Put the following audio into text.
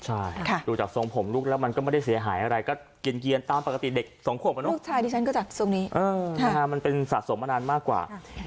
ใช่ดูจากทรงผมลูกแล้วมันก็ไม่ได้เสียหายอะไรก็เย็นตามปกติเด็กสองขวบอ่ะเนอะลูกชายดิฉันก็จากทรงนี้มันเป็นสะสมมานานมากกว่า